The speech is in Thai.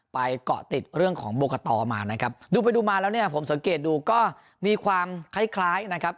เกาะติดเรื่องของโบกตมานะครับดูไปดูมาแล้วเนี่ยผมสังเกตดูก็มีความคล้ายคล้ายนะครับ